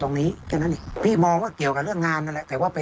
ตรงนั้นเกี่ยวกับงานนั่นน่าจะ